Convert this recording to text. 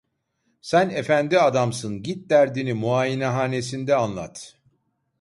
Sen efendi adamsın, git derdini muayenehanesinde anlat.